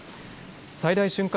最大瞬間